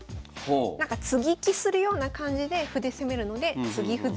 なんか接ぎ木するような感じで歩で攻めるので継ぎ歩